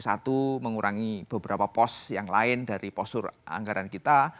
satu mengurangi beberapa pos yang lain dari postur anggaran kita